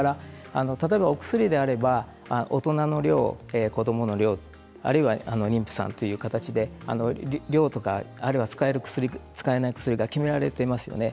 お薬であれば大人の量、子どもの量と妊婦さんという形で量とか使える薬、使えない薬が決められています。